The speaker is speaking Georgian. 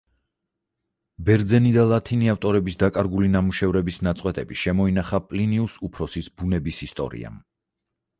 ბერძენი და ლათინი ავტორების დაკარგული ნამუშევრების ნაწყვეტები შემოინახა პლინიუს უფროსის „ბუნების ისტორიამ“.